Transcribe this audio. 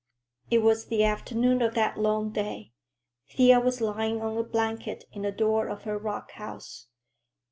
It was the afternoon of that long day. Thea was lying on a blanket in the door of her rock house.